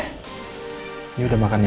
ini udah makan siapa